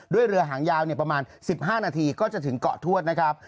เรือหางยาวประมาณ๑๕นาทีก็จะถึงเกาะทวดนะครับ